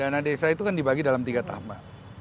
dana desa itu kan dibagi dalam tiga tahap